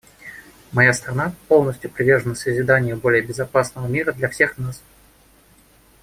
Моя страна полностью привержена созиданию более безопасного мира для всех нас.